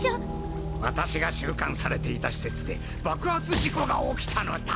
私が収監されていた施設で爆発事故が起きたのだ。